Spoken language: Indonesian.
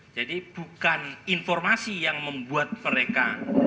jadi bukan informasi yang membuat mereka